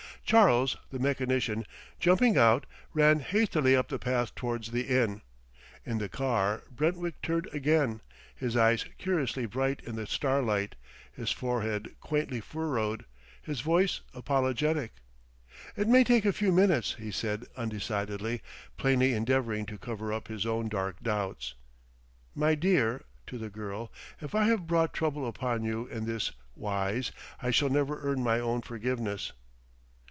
Charles, the mechanician, jumping out, ran hastily up the path towards the inn. In the car Brentwick turned again, his eyes curiously bright in the starlight, his forehead quaintly furrowed, his voice apologetic. "It may take a few minutes," he said undecidedly, plainly endeavoring to cover up his own dark doubts. "My dear," to the girl, "if I have brought trouble upon you in this wise, I shall never earn my own forgiveness."